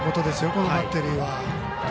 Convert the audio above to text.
このバッテリーは。